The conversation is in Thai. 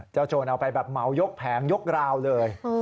โจรเอาไปแบบเหมายกแผงยกราวเลย